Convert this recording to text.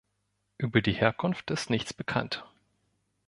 Über die Herkunft ist nichts bekannt.